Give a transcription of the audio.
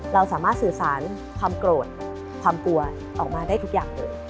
เราสามารถสื่อสารความโกรธความกลัวออกมาได้ทุกอย่างเลย